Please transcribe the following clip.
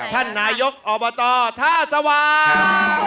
ท่านนายกอบตท่าสว่าง